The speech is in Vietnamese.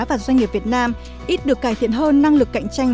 và doanh nghiệp việt nam ít được cải thiện hơn năng lực cạnh tranh